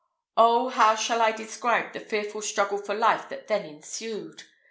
Oh how shall I describe the fearful struggle for life that then ensued?